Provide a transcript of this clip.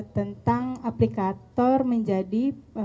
tentang aplikator menjadi